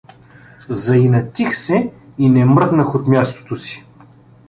Заинатих се и не мръднах от мястото си.